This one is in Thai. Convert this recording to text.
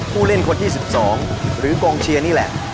ผู้เล่นคนที่๑๒หรือกองเชียร์นี่แหละ